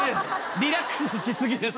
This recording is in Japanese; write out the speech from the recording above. リラックスしすぎです。